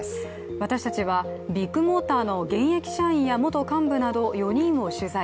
私たちはビッグモーターの現役社員や元幹部など、４人を取材。